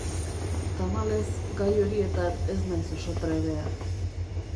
Tamalez, gai horietan ez naiz oso trebea.